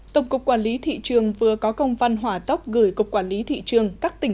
tổng cục quản lý thị trường vừa có công văn hỏa tốc gửi cục quản lý thị trường các tỉnh